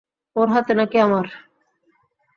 ওর হাতে নাকি আমার।